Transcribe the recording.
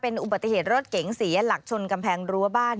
อุบัติเหตุรถเก๋งเสียหลักชนกำแพงรั้วบ้าน